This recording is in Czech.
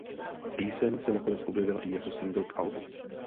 Píseň se nakonec objevila i jako singl k albu.